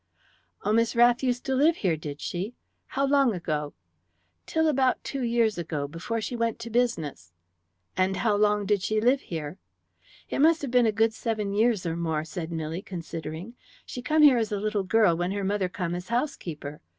"Oh, Miss Rath used to live here, did she? How long ago?" "Till about two years ago, before she went to business." "And how long did she live here?" "It must have been a good seven years or more," said Milly, considering. "She come here as a little girl when her mother come as housekeeper.